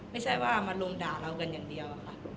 ไม่ใช่ว่ามันลุงด่าเรากันอย่างเดียว